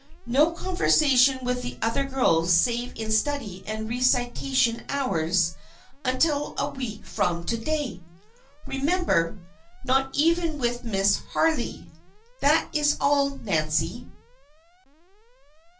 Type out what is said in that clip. No conversation with the other girls, save in study and recitation hours, until a week from to day. Remember! Not even with Miss Harley. That is all, Nancy."